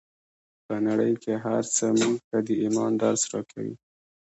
په نړۍ کې هر څه موږ ته د ايمان درس راکوي.